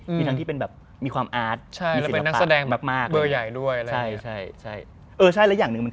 มีทั้งที่เป็นแบบมีความอาร์ตมีศิลปะมาก